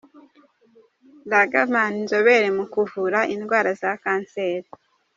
Ragavan inzobere mu kuvura indwara za kanseri.